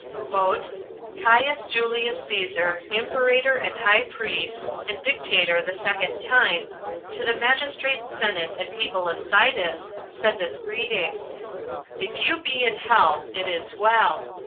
2. "Caius Julius Cæsar, imperator and high priest, and dictator the second time, to the magistrates, senate, and people of Sidon, sendeth greeting. If you be in health, it is well.